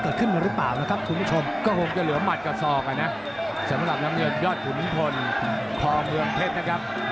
ออกมานะสำหรับน้องเยอร์ยอดขุนทนคอเมืองเพชรนะครับ